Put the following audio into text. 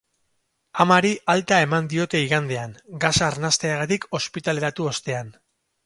Amari alta eman diote igandean, gasa arnasteagatik ospitaleratu ostean.